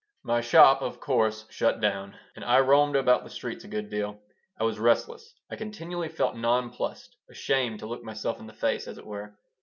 My shop, of course, shut down, and I roamed about the streets a good deal. I was restless. I continually felt nonplussed, ashamed to look myself in the face, as it were.